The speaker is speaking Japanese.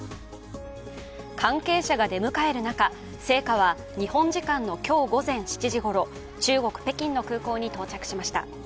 関係者が出迎える中聖火は日本時間の今日午前７時ごろ中国・北京の空港に到着しました。